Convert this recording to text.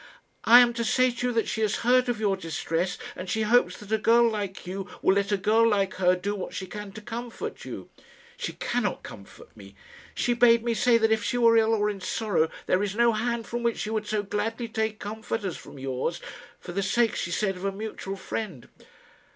"I am to say to you that she has heard of your distress, and she hopes that a girl like you will let a girl like her do what she can to comfort you." "She cannot comfort me." "She bade me say that if she were ill or in sorrow, there is no hand from which she would so gladly take comfort as from yours for the sake, she said, of a mutual friend."